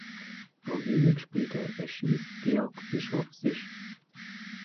Nur wenig später erschießt Georg Bischoff sich.